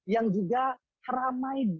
yang juga ramai